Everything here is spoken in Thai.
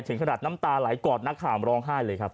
ถึงขนาดน้ำตาไหลกอดนักข่าวร้องไห้เลยครับ